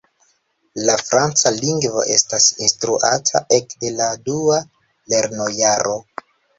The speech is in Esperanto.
La franca lingvo estas instruata ek de la dua lernojaro.